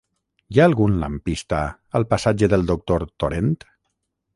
Hi ha algun lampista al passatge del Doctor Torent?